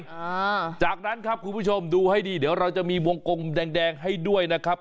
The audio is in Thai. อ่าจากนั้นครับคุณผู้ชมดูให้ดีเดี๋ยวเราจะมีวงกลมแดงแดงให้ด้วยนะครับ